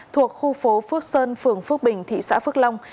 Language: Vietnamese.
thuộc khu phố phước sơn phường phước bình thị xã phước long